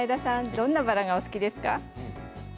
どんなバラがお好きですか？